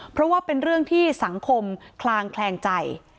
เพราะว่าเป็นเรื่องที่สังคมคลางแคลงใจ